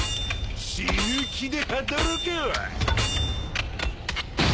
死ぬ気で働けよ！